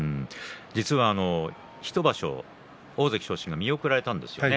実は１場所大関昇進が見送られたんですよね。